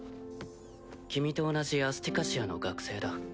君と同じアスティカシアの学生だ。